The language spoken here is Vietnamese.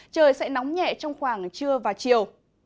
trời sẽ nóng nhẹ trong khoảng trưa và chiều